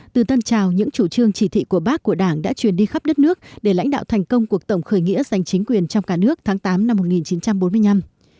từ tân trào những chủ trương chỉ thị của bác của đảng đã truyền đi khắp đất nước để lãnh đạo thành công cuộc tổng khởi nghĩa dành chính quyền trong cả nước tháng tám năm một nghìn chín trăm bốn mươi năm